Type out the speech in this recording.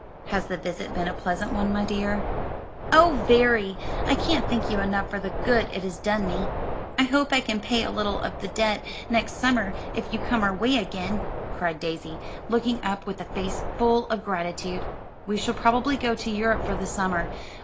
"Has the visit been a pleasant one, my dear?" "Oh, very! I can't thank you enough for the good it has done me. I hope I can pay a little of the debt next summer, if you come our way again," cried Daisy, looking up with a face full of gratitude. "We shall probably go to Europe for the summer.